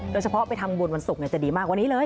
โดยเฉพาะไปทำบุญวันศุกร์จะดีมากกว่านี้เลย